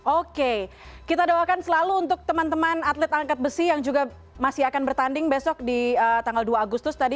oke kita doakan selalu untuk teman teman atlet angkat besi yang juga masih akan bertanding besok di tanggal dua agustus tadi